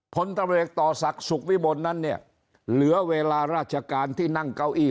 ผลตำรวจต่อศักดิ์สุขวิบลนั้นเนี่ยเหลือเวลาราชการที่นั่งเก้าอี้